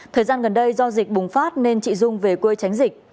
thời gian gần đây do dịch bùng phát nên chị dung về quê tránh dịch